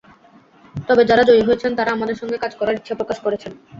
তবে যাঁরা জয়ী হয়েছেন, তাঁরা আমাদের সঙ্গে কাজ করার ইচ্ছা প্রকাশ করেছেন।